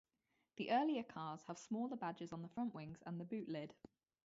The earlier cars have smaller badges on the front wings and the boot lid.